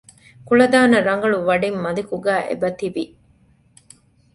ކުޅަދާނަ ރަނގަޅު ވަޑިން މަލިކުގައި އެބަތިވި